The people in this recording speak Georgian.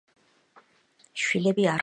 შვილები არ ჰყოლია.